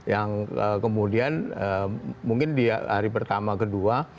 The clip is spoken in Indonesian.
yang kemudian mungkin di hari pertama kedua